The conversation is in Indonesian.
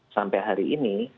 sampai hari ini